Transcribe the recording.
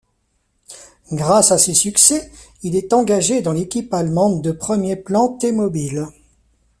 Grâce à ces succès, il est engagé dans l'équipe allemande de premier plan T-Mobile.